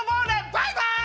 バイバイ！